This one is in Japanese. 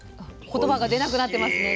言葉が出なくなってますね。